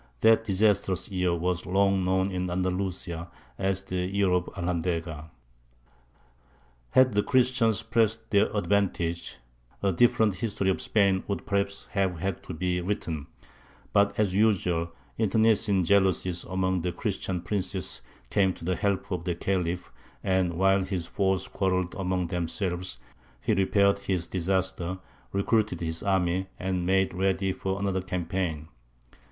That disastrous year was long known in Andalusia as the "Year of Alhandega." Had the Christians pressed their advantage, a different history of Spain would perhaps have had to be written; but, as usual, internecine jealousies among the Christian princes came to the help of the Khalif, and while his foes quarrelled among themselves he repaired his disaster, recruited his army, and made ready for another campaign.